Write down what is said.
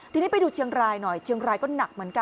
ทีนี้ไปดูเชียงรายหน่อยเชียงรายก็หนักเหมือนกัน